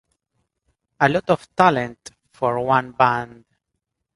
A lot of talent for one band.